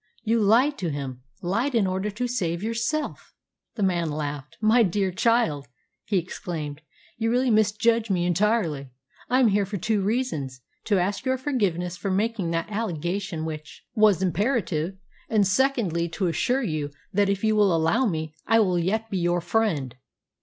You lied to him lied in order to save yourself!" The man laughed. "My dear child," he exclaimed, "you really misjudge me entirely. I am here for two reasons: to ask your forgiveness for making that allegation which was imperative; and, secondly, to assure you that, if you will allow me, I will yet be your friend."